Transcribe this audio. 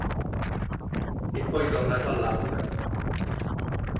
È poi tornato all'Haugar.